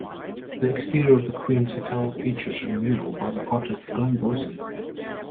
The exterior of the Queen's Hotel features a mural by the artist Alan Boyson.